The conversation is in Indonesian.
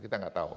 kita nggak tahu